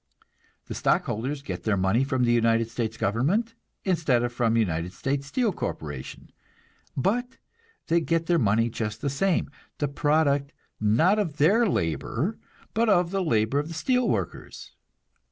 The stockholders get their money from the United States government, instead of from the United States Steel Corporation; but they get their money just the same the product, not of their labor, but of the labor of the steel workers.